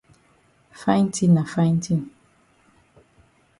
Fine tin na fine tin.